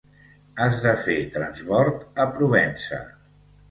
Has de fer transbord a Provença.